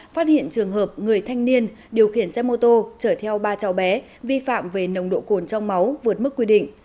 phát hiện trường hợp người thanh niên điều khiển xe mô tô chở theo ba cháu bé vi phạm về nồng độ cồn trong máu vượt mức quy định